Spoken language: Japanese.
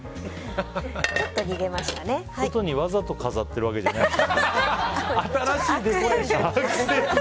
外にわざと飾ってるわけじゃないんだ。